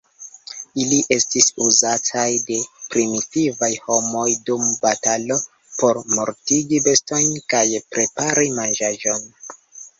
Ili estis uzataj de primitivaj homoj dum batalo, por mortigi bestojn, kaj prepari manĝaĵon.